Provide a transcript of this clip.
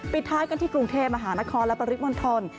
ปิดท้ายกันที่กรุงเทพฯมหานครและปริศมนตร